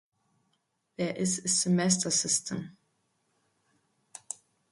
There is semester system.